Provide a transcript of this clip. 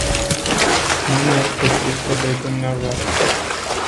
Nu ne este frică de dvs.